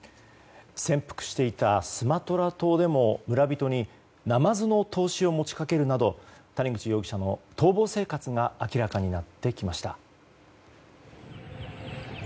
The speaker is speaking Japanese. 潜伏していたスマトラ島でも村人にナマズの投資を持ち掛けるなど谷口容疑者の逃亡生活が明らかになってきました。